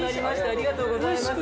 ありがとうございます。